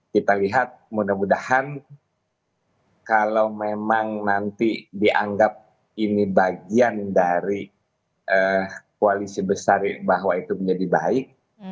kita lihat mudah mudahan kalau memang nanti dianggap ini bagian dari koalisi besar bahwa itu menjadi baik